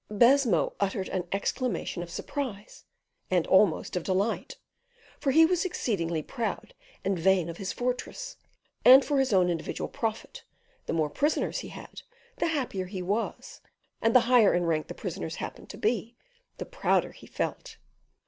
Baisemeaux uttered an exclamation of surprise, and almost of delight; for he was exceedingly proud and vain of his fortress, and for his own individual profit, the more prisoners he had, the happier he was, and the higher in rank the prisoners happened to be, the prouder he felt.